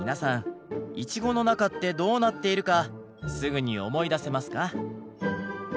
イチゴの中ってどうなっているかすぐに思い出せますか？